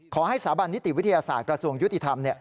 สถาบันนิติวิทยาศาสตร์กระทรวงยุติธรรม